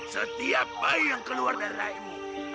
setiap bayi yang keluar dari laimu